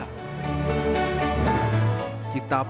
kita pun bisa mencari kekuatan yang dimiliki